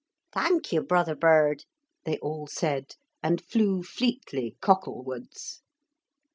'Thank you, brother bird,' they all said, and flew fleetly cocklewards.